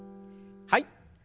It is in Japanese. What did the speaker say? はい。